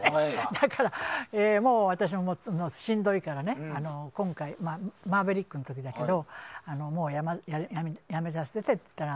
だから、私もしんどいから今回、「マーヴェリック」の時だけどもう辞めさせてって言ったら。